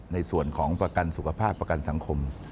ในส่วนของประกันสุขภาพประกันสังคม